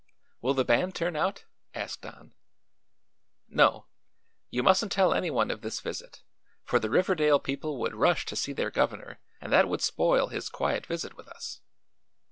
"Will the band turn out?" asked Don. "No. You mustn't tell anyone of this visit, for the Riverdale people would rush to see their governor and that would spoil his quiet visit with us.